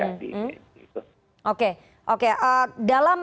bahwa di indonesia ada satu organisasi profesi yang boleh mengeluarkan rekomendasi praktek